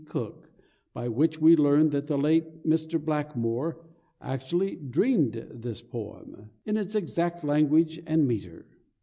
Cook, by which we learn that the late Mr. Blackmore actually dreamed this poem, in its exact language and metre.